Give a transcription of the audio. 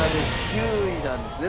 ９位なんですね。